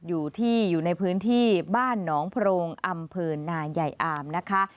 อยู่ที่อยู่ในพื้นที่บ้านหนองโพรงอำเภอนายายอามนะคะ